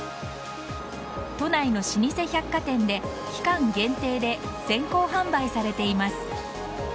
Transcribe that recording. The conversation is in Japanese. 都内の老舗百貨店で期間限定で先行販売されています。